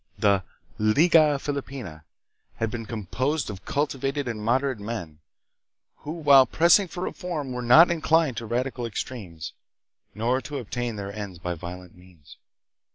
The "Liga Filipina" had been composed of cul tivated and moderate men, who while pressing for reform were not inclined to radical extremes, nor to obtain their ends by violent means.